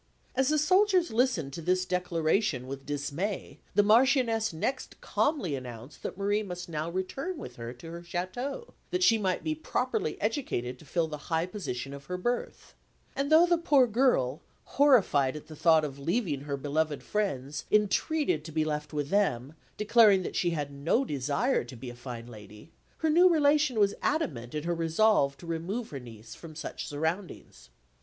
As the soldiers listened to this declaration with dismay, the Marchioness next calmly announced that Marie must now return with her to her château, that she might be properly educated to fill the high position of her birth; and though the poor girl, horrified at the thought of leaving her beloved friends, entreated to be left with them, declaring that she had no desire to be a fine lady, her new relation was adamant in her resolve to remove her niece from such surroundings.